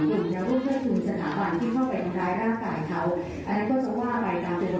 แต่เราแค่อยากจะเตือนสติทุที่ท่านว่ารับข้อมูลของตอนมอง